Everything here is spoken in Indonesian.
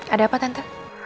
ada apa tante